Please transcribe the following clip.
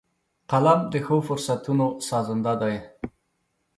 قلم د ښو فرصتونو سازنده دی